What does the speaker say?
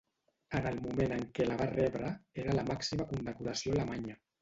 En el moment en què la va rebre era la màxima condecoració alemanya.